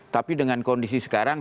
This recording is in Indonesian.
tapi dengan kondisi sekarang